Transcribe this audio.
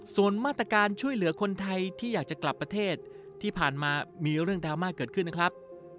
ส่วนมาตรการช่วยเหลือคนไทยที่อยากจะกลับประเทศที่ผ่านมามีเรื่องดราม่าเกิดขึ้นนะครับ